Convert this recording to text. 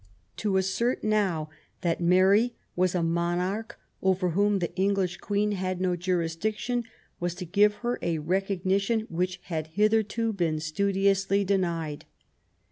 To assert now that Mary was a monarch over whom the English Queen had no jurisdiction, was to give her a recognition which had hitherto been studiously denied.